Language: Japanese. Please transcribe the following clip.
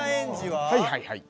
はいはいはい。